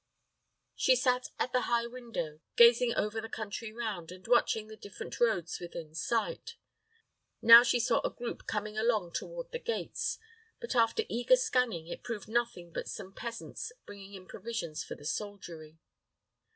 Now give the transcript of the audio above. She sat at the high window, gazing over the country round, and watching the different roads within sight. Now she saw a group coming along toward the gates; but after eager scanning, it proved nothing but some peasants bringing in provisions for the soldiery.